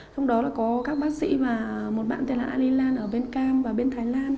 trong đó là có các bác sĩ mà một bạn tên là ali lan ở bên cam và bên thái lan